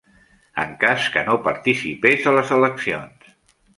En cas que no participés a les eleccions.